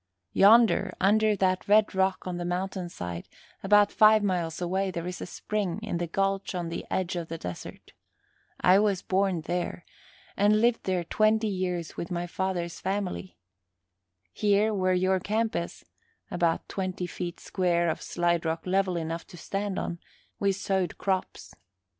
Yonder, under that red rock on the mountain side, about five miles away, there is a spring in the gulch on the edge of the desert. I was born there, and lived there twenty years with my father's family. Here where your camp is" about twenty feet square of slide rock level enough to stand on "we sowed crops.